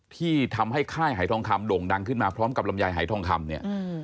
ที่ทำให้ค่ายหายทองคำโด่งดังขึ้นมาพร้อมกับลำไยหายทองคำเนี่ย